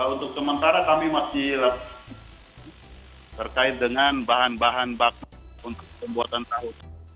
untuk sementara kami masih terkait dengan bahan bahan baku untuk pembuatan tahu